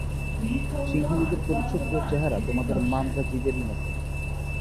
সিংহলীদের পরিচ্ছদ ও চেহারা তোমাদের মান্দ্রাজীদেরই মত।